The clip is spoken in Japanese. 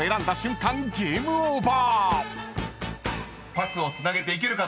［パスをつなげていけるか］